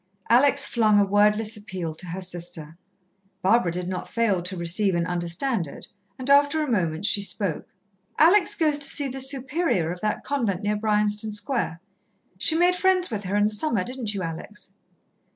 Alex flung a wordless appeal to her sister. Barbara did not fail to receive and understand it, and after a moment she spoke: "Alex goes to see the Superior of that convent near Bryanston Square. She made friends with her in the summer, didn't you, Alex?"